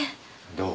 どう？